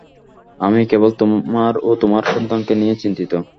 আমি কেবল তোমার ও তোমার সন্তানকে নিয়ে চিন্তিত।